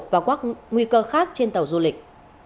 và các nguy cơ khác trên tàu du lịch